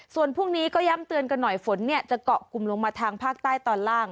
ส่วนพรุ่งนี้ก็ย้ำเตือนกันหน่อยฝนจะเกาะกลุ่มลงมาทางภาคใต้ตอนล่าง